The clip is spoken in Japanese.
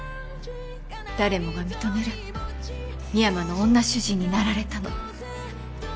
誰もが認める深山の女主人になられたの。